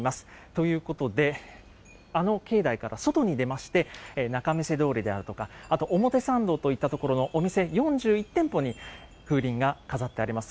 ということで、あの境内から外に出まして、仲見世通りであるとか、あと表参道といった所のお店４１店舗に風鈴が飾ってあります。